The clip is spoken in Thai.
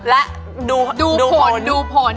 และดูผล